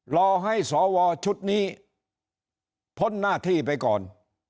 รอให้สวชุดนี้พ้นหน้าที่ไปก่อน